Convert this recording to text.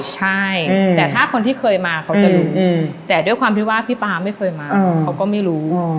ใช่แต่ถ้าคนที่เคยมาเขาจะรู้แต่ด้วยความที่ว่าพี่ป๊าไม่เคยมาเขาก็ไม่รู้